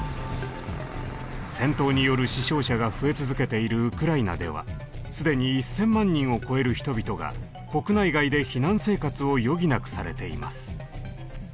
戦闘による死傷者が増え続けているウクライナでは既に１，０００万人を超える人々が国内外で避難生活を余儀なくされています。